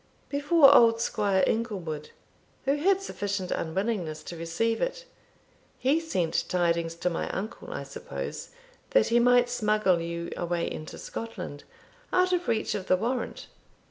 "Before old Squire Inglewood, who had sufficient unwillingness to receive it. He sent tidings to my uncle, I suppose, that he might smuggle you away into Scotland, out of reach of the warrant.